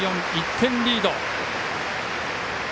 １点リード。